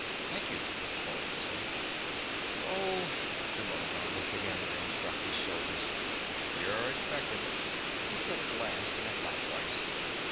"Thank you," Forrester said. "Oh " The Myrmidon looked at him, then shrugged his shoulders. "You're expected," he said at last in a flat voice.